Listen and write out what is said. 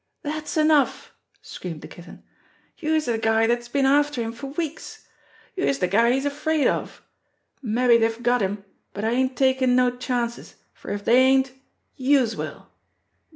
"Dat's enough!" screamed the Kitten. "Youse're de guy dat's been after him for weeks. Youse're de guy he's afraid of. Mabbe dey've got him, but I ain't takin' no chances, for if dey ain't, youse will.